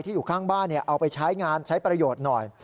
อยู่ข้างบ้านเอาไปใช้งานใช้ประโยชน์หน่อย